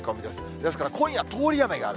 ですから今夜、通り雨がある。